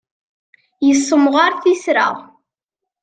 Yessemɣaṛ tisra.